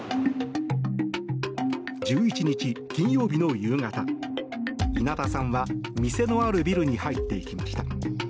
夕方稲田さんは店のあるビルに入っていきました。